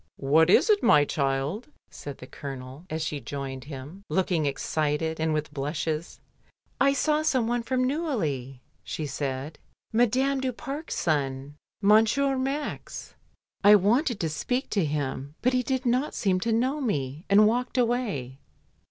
"What is it, my child?" said the Colonel, as she joined him, looking excited, and with blushes. "I saw some one from Neuilly," she said, "Ma dame du Parc's son, Monsieur Max. I wanted to 156 MRS. DYMOND. speak to him, but he did not seem to know me, and walked away."